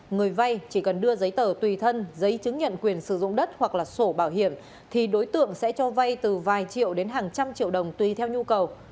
người vay chỉ cần đưa giấy tờ tùy thân giấy chứng nhận quyền sử dụng đất hoặc là sổ bảo hiểm thì đối tượng sẽ cho vay từ vài triệu đến hàng trăm triệu đồng tùy theo nhu cầu